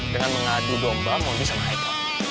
dengan mengadu domba modi sama iphone